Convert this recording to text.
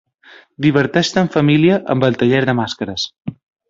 Diverteix-te en família amb el taller de màscares.